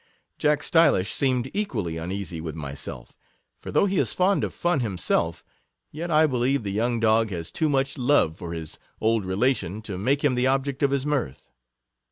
Jack Stylish seemed equally uneasy with myself, for though he is fond of fun himself, yet I believe the young 45 dog has too much love for his old relation, to make him the object of his mirth.